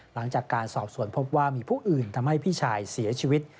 หลังจากการสอบสวนพบว่ามีผู้อื่นทำให้พี่ชายเสียชีวิต